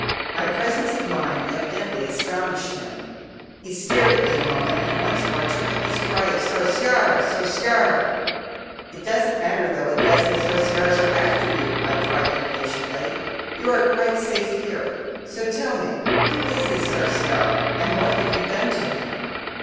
My presence of mind evidently astonished him, he stared at me a moment and once more took up his cry of "Sarsiar, sarsiar". "It doesn't matter though a dozen Sarsiars are after you," I cried impatiently: "you are quite safe here; so tell me who is this "Sarsiar," and what have you done to him?"